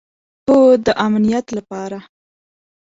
هو، د امنیت لپاره